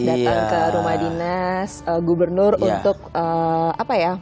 datang ke rumah dinas gubernur untuk apa ya